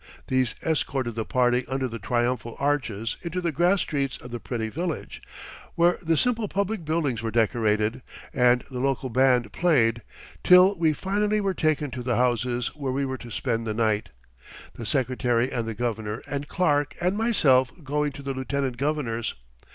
These escorted the party under the triumphal arches into the grass streets of the pretty village, where the simple public buildings were decorated, and the local band played, till we finally were taken to the houses where we were to spend the night, the Secretary and the Governor and Clark and myself going to the Lieutenant Governor's.